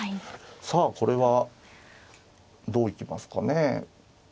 さあこれはどう行きますかね。